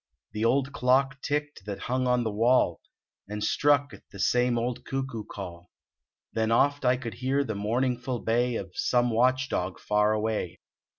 The old clock ticked that hung on the wall And struck ith the same old cuckoo call; Then oft I could hear the mournful bay Of some watch dog far away.